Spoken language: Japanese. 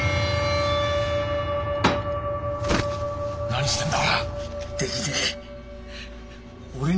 何してんだほら！